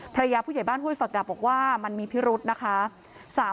ผู้ใหญ่บ้านห้วยฝักดาบบอกว่ามันมีพิรุธนะคะ